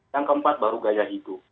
yang keempat baru gaya hidup